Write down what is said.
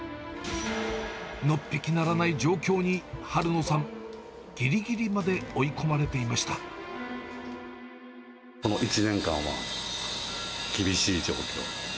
のっぴきならない状況に、春野さん、ぎりぎりまで追い込まれていこの１年間は、厳しい状況。